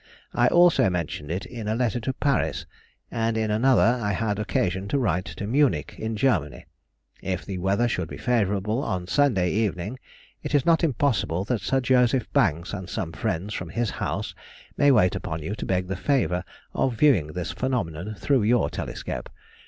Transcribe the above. I also mentioned it in a letter to Paris, and in another I had occasion to write to Munich, in Germany. If the weather should be favourable on Sunday evening, it is not impossible that Sir Joseph Banks and some friends from his house may wait upon you to beg the favour of viewing this phenomenon through your telescope.